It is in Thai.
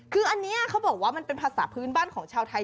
คืออันนี้เขาบอกว่ามันเป็นภาษาพื้นบ้านของชาวไทย